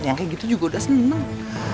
yang kayak gitu juga udah seneng